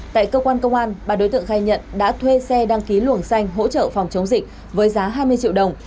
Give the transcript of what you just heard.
tại cơ quan công an ba đối tượng khai nhận đã thuê xe đăng ký luồng xanh hỗ trợ phòng chống dịch với giá hai mươi triệu đồng